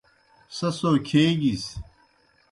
سہ سو کھیگِس۔